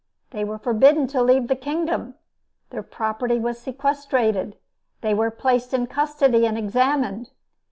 They were forbidden to leave the kingdom, their property was sequestrated, they were placed in custody and examined.